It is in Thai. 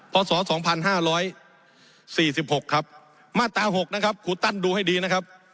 พศ๒๕๔๖ครับมาตรา๖นะครับครูตั้นดูให้ดีนะครับ